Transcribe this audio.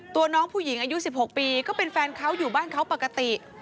น้องผู้หญิงอายุ๑๖ปีก็เป็นแฟนเขาอยู่บ้านเขาปกติ